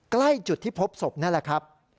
ใกล้จุดที่พบศพนั่นแหละครับ